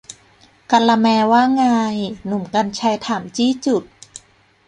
กาละแมร์ ว่าไง หนุ่ม กรรชัย ถามจี้จุด